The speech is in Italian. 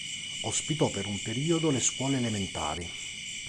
Ospitò per un periodo le scuole elementari.